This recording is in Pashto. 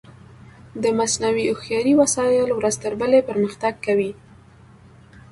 د مصنوعي هوښیارۍ وسایل ورځ تر بلې پرمختګ کوي.